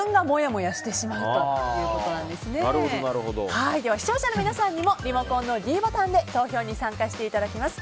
では視聴者の皆さんにもリモコンのｄボタンで投票に参加していただきます。